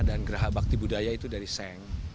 dan geraha bakti budaya itu dari seng